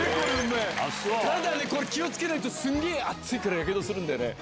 ただこれ気を付けないとすんげぇ熱いからやけどする。